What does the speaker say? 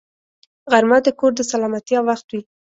غرمه د کور د سلامتیا وخت وي